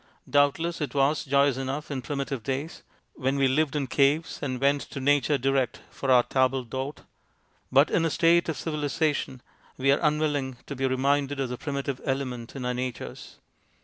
Doubtless it was joyous enough in primitive days, when we lived in caves and went to Nature direct for our table d'hote ; but in a state of civiliza tion we are unwilling to be reminded of the primitive element in our natures.